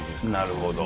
なるほど。